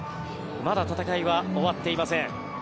まだ戦いは終わっていません。